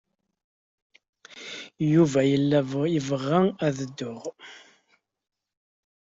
Yuba yella yebɣa ad dduɣ.